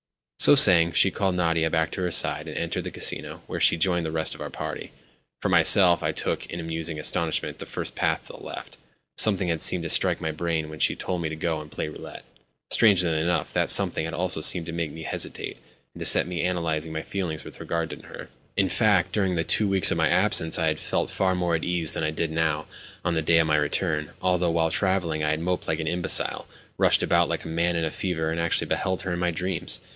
So saying, she called Nadia back to her side, and entered the Casino, where she joined the rest of our party. For myself, I took, in musing astonishment, the first path to the left. Something had seemed to strike my brain when she told me to go and play roulette. Strangely enough, that something had also seemed to make me hesitate, and to set me analysing my feelings with regard to her. In fact, during the two weeks of my absence I had felt far more at my ease than I did now, on the day of my return; although, while travelling, I had moped like an imbecile, rushed about like a man in a fever, and actually beheld her in my dreams.